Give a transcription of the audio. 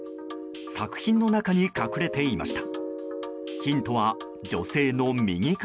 作品の中に隠れていました。